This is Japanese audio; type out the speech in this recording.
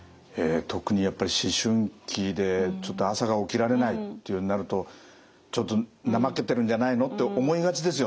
特にやっぱり思春期でちょっと朝が起きられないってなるとちょっと怠けてるんじゃないのって思いがちですよね。